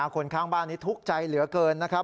คนข้างบ้านนี้ทุกข์ใจเหลือเกินนะครับ